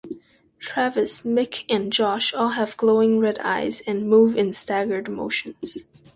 Travis, Mic, and Josh all have glowing, red eyes and move in staggered motions.